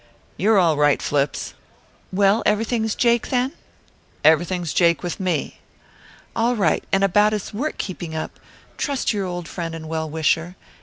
"You're all right, Flips." "Well, everything's jake, then?" "Everything's jake with me." "All right! And about his work keeping up trust your old friend and well wisher.